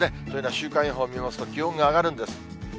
というのは週間予報見ますと、気温が上がるんです。